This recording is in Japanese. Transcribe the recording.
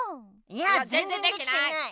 いやぜんぜんできてない！